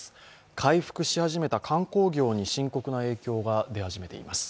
回復し始めた観光業に深刻な影響が出始めています。